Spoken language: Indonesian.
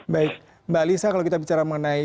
baik mbak alisa kalau kita bicara mengenai